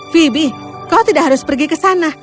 phobi kau tidak harus pergi ke sana